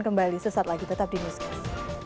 kembali sesaat lagi tetap di newscast